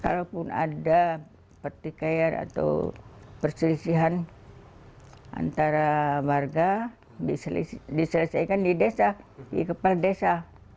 kalaupun ada pertikaian atau perselisihan antara warga diselesaikan di desa di kepala desa